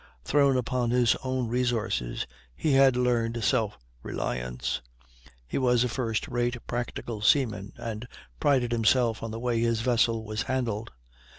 Thrown upon his own resources, he had learned self reliance; he was a first rate practical seaman, and prided himself on the way his vessel was handled.